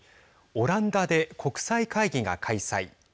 オランダで国際会議が開催。